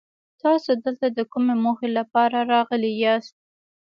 تاسو دلته د کومې موخې لپاره راغلي ياست؟